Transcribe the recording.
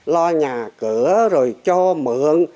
lo nhà cửa rồi cho mượn